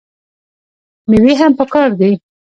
میوې هم پکار دي.